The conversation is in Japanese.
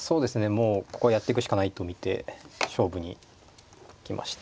もうここはやっていくしかないと見て勝負に行きました。